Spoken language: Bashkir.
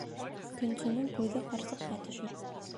Көнсөнөң күҙе ҡарсыҡҡа төшөр.